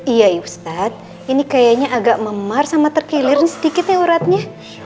iya ustadz ini kayaknya agak memar sama terkilir sedikit ya uratnya